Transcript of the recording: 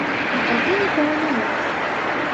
І такі, напэўна, лепш.